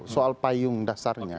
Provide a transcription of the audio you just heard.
soal payung dasarnya